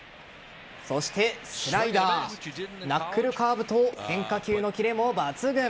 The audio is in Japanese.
そしてスライダーナックルカーブと変化球のキレも抜群。